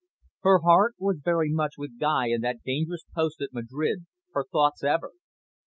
Her heart was very much with Guy in that dangerous post at Madrid, her thoughts ever.